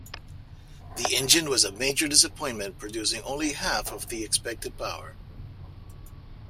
The engine was a major disappointment, producing only half of the expected power.